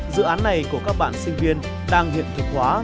dự án này của các bạn sinh viên đang hiện thực hóa